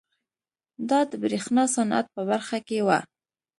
دا د برېښنا صنعت په برخه کې وه.